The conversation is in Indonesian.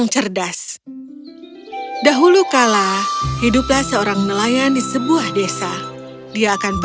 cerita dalam bahasa indonesia